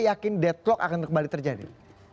yakin deadlock akan kembali terjadi